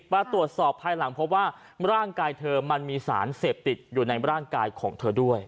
มาตรวจสอบภายหลังพบว่าร่างกายเธอมันมีสารเสพติดอยู่ในร่างกายของเธอด้วย